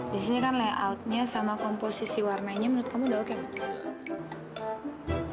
biasanya kan layoutnya sama komposisi warnanya menurut kamu udah oke nggak